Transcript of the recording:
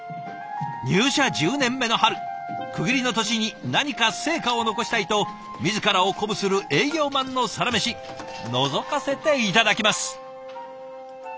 入社１０年目の春区切りの年に何か成果を残したいと自らを鼓舞する営業マンのサラメシのぞかせて頂きます。